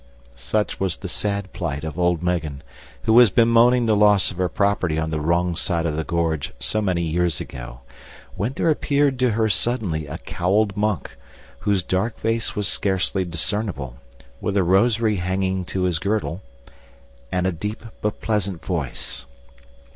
_" Such was the sad plight of old Megan, who was bemoaning the loss of her property on the wrong side of the gorge so many years ago, when there appeared to her suddenly a cowled monk, whose dark face was scarcely discernible, with a rosary hanging to his girdle, and a deep but pleasant voice.